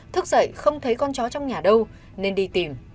thức dậy không thấy con chó trong nhà đâu nên đi tìm